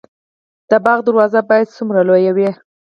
د باغ دروازه باید څومره لویه وي؟